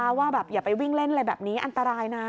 เพราะว่าแบบอย่าไปวิ่งเล่นอะไรแบบนี้อันตรายนะ